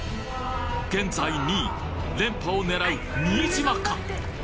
現在２位連覇を狙う新島か？